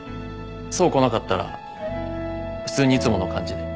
想来なかったら普通にいつもの感じで。